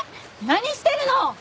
何してるの！